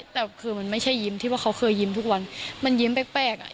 แต่คือมันไม่ใช่ยิ้มที่ว่าเขาเคยยิ้มทุกวันมันยิ้มแปลกอ่ะ